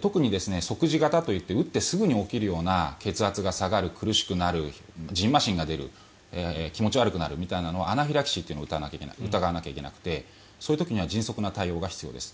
特に、即時型といって打ってすぐに起きるような血圧が下がる、苦しくなるじんましんが出る気持ち悪くなるみたいなのはアナフィラキシーというのを疑わないといけなくてそういう時には迅速な対応が必要です。